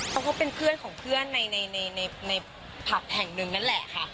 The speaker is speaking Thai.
เขาก็เป็นเพื่อนของเพื่อนในผับแห่งหนึ่งนั่นแหละค่ะ